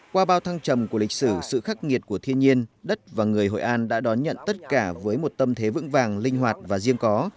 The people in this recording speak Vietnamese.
qua bao thăng trầm của lịch sử sự khắc nghiệt của thiên nhiên đất và người hội an đã đón nhận tất cả với một tâm thế vững vàng linh hoạt và riêng có